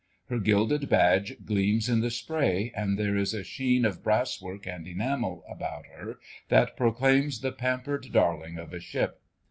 Her gilded badge gleams in the spray, and there is a sheen of brasswork and enamel about her that proclaims the pampered darling of a ship.